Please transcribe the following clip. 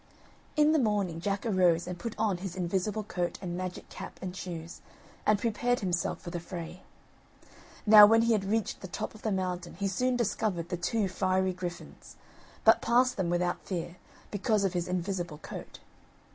In the morning Jack arose and put on his invisible coat and magic cap and shoes, and prepared himself for the fray. Now, when he had reached the top of the mountain he soon discovered the two fiery griffins, but passed them without fear, because of his invisible coat.